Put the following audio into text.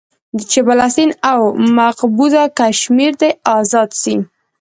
چې فلسطين او مقبوضه کشمير دې ازاد سي.